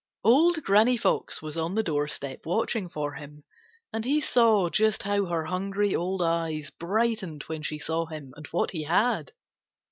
Old Granny Fox was on the doorstep watching for him, and he saw just how her hungry old eyes brightened when she saw him and what he had.